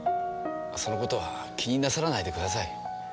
その事は気になさらないでください。